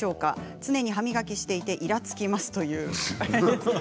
常に歯磨きしていていらつきます。